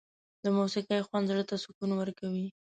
د موسيقۍ خوند زړه ته سکون ورکوي.